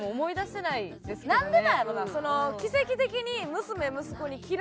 なんでなんやろな？